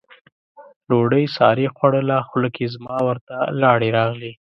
ډوډۍ سارې خوړله، خوله کې زما ورته لاړې راغلې.